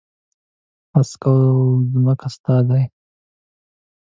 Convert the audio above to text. هسک او ځمکه ستا دي.